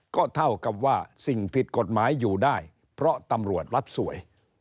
ก็เท่ากับว่าสิ่งผิดกฎหมายอยู่ได้เพราะตำรวจรัฐสวย